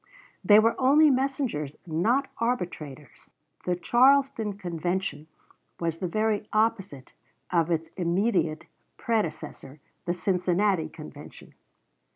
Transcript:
They were only messengers, not arbitrators. The Charleston Convention was the very opposite of its immediate predecessor, the Cincinnati Convention.